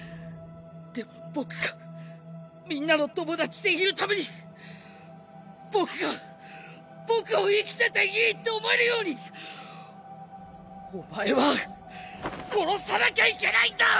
でも僕がみんなの友達でいるために僕が僕を生きてていいって思えるようにお前は殺さなきゃいけないんだ！